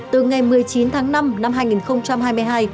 từ ngày một mươi chín tháng năm năm hai nghìn hai mươi hai